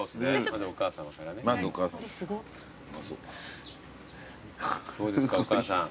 お母さん。